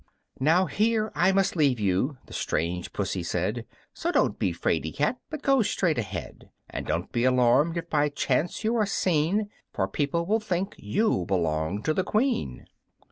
"Now here I must leave you," the strange Pussy said, "So don't be 'fraid cat, but go straight ahead, And don't be alarmed if by chance you are seen, For people will think you belong to the Queen."